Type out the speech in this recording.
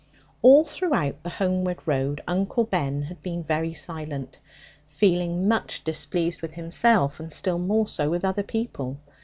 All throughout the homeward road, Uncle Ben had been very silent, feeling much displeased with himself and still more so with other people.